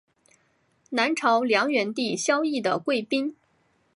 南朝梁元帝萧绎的贵嫔。